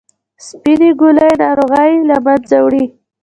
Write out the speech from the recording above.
سپینې ګولۍ ناروغي له منځه وړي.